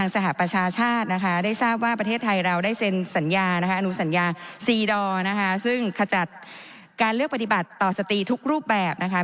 ซีดอร์นะคะซึ่งขจัดการเลือกปฏิบัติต่อสตีทุกรูปแบบนะคะ